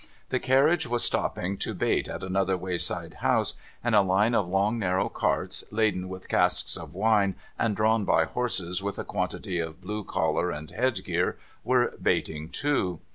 The carriage was stopping to bait at another wayside house ; and a line of long narrow carts, laden with casks of wine, and drawn by horses with a quantity of blue collar and head gear, were baiting too.